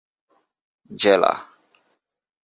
জেলা